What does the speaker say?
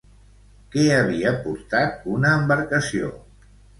Què havia portat una embarcació?